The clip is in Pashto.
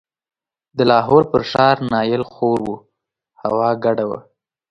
د لاهور پر ښار نایل خور و، هوا ګډه وه.